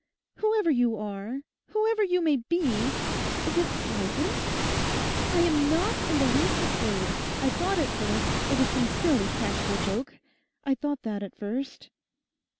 Whoever you are, whoever you may be, is it likely? I am not in the least afraid. I thought at first it was some silly practical joke. I thought that at first.